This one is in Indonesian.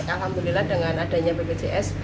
alhamdulillah dengan adanya ppjs